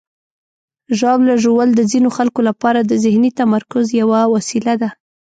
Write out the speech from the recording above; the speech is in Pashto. ژاوله ژوول د ځینو خلکو لپاره د ذهني تمرکز یوه وسیله ده.